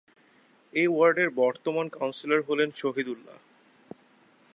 এ ওয়ার্ডের বর্তমান কাউন্সিলর হলেন শহীদ উল্লাহ।